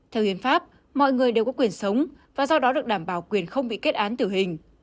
theo hiến pháp mọi người đều có quyền sống và do đó được đảm bảo quyền không bị kết án tử hình